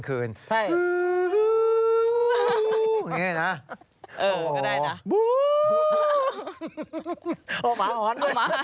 โอ้หมาหอน